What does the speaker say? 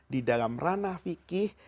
di dalam ranah fikih